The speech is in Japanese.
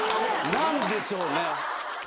何でしょうね？